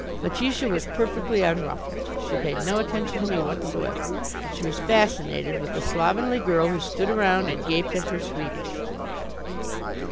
Letitia was perfectly unruffled. She paid no attention to me whatsoever. She was fascinated with the slovenly girl, who stood around and gaped at her Swedish.